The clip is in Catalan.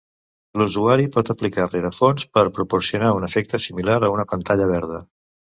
L'usuari pot aplicar rerefons per proporcionar un efecte similar a una pantalla verda.